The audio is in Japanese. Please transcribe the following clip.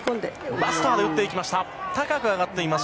バスターで打っていきました。